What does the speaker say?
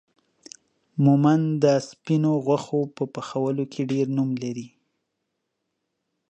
مومند دا سپينو غوښو په پخولو کې ډير نوم لري